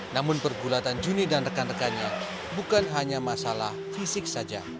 namun pergulatan juni dan rekan rekannya bukan hanya masalah fisik saja